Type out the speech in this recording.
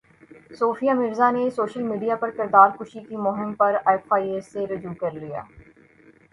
صوفیہ مرزا نے social media پرکردار کشی کی مہم پر ایف ائی اے سے رجوع کر لیا